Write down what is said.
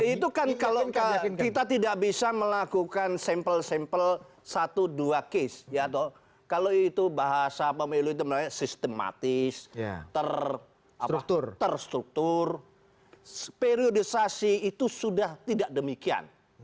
itu kan kalau kita tidak bisa melakukan sampel sampel satu dua case kalau itu bahasa pemilu itu sistematis terstruktur periodisasi itu sudah tidak demikian